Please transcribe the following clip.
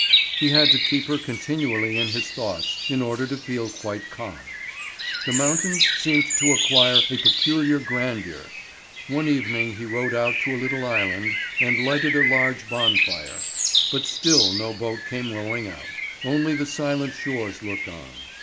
He had to keep her continually in his thoughts in order to feel quite calm. The mountains seemed to acquire a peculiar grandeur. One evening he rowed out to a little island, and lighted a large bonfire; but still no boat came rowing out; only the silent shores looked on.